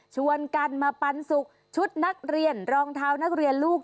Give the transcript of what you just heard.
ชวนกันมาปันสุกชุดนักเรียนรองเท้านักเรียนลูก